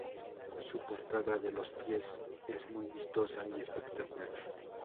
Su portada de los pies es muy vistosa y espectacular.